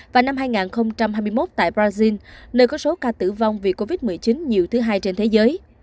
và năm hai nghìn hai mươi một tại brazil nơi có số ca tử vong vì covid một mươi chín nhiều thứ hai trên thế giới